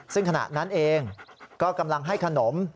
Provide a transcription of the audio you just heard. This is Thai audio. ซึ่งขณะนั้นเองก็กำลังให้ขนม